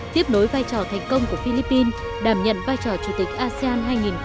tiếp nối vai trò thành công của philippines đảm nhận vai trò chủ tịch asean hai nghìn hai mươi